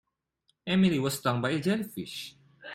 Emily was stung by a jellyfish.